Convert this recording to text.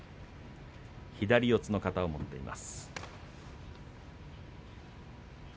左四つの型を持っています。